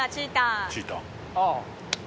ああ